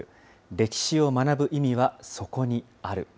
歴史を学ぶ意味はそこにある。